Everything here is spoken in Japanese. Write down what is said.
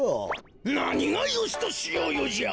なにが「よしとしようよ」じゃ！